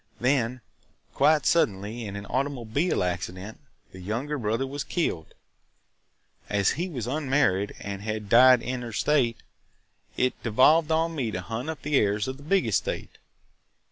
Then, quite suddenly, in an automobile accident, the younger brother was killed. As he was unmarried and had died intestate, it devolved on me to hunt up the heirs to the big estate.